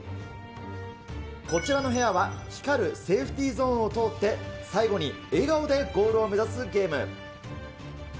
こちらの部屋は光るセーフティーゾーンを通って、最後に笑顔でゴールを目指すゲーム。